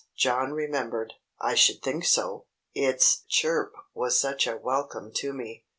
John remembered. I should think so! "Its chirp was such a welcome to me.